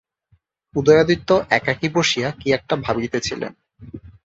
উদয়াদিত্য একাকী বসিয়া কি একটা ভাবিতেছিলেন।